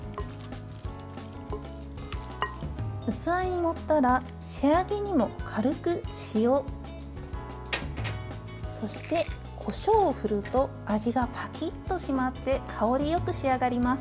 器に盛ったら仕上げにも、軽く塩そして、こしょうを振ると味がパキッと締まって香りよく仕上がります。